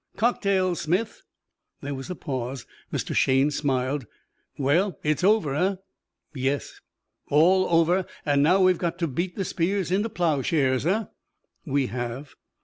Cocktails, Smith." There was a pause. Mr. Shayne smiled. "Well, it's over, eh?" "Yes." "All over. And now we've got to beat the spears into plowshares, eh?" "We have."